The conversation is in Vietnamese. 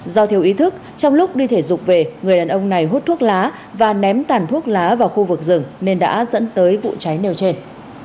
do thiếu ý thức trong lúc đi thể dục về người đàn ông này hút thuốc lá và ném tàn thuốc lá vào khu vực rừng nên đã dẫn tới vụ cháy nêu trên